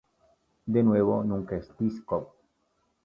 De Nuevo Nunca en discogs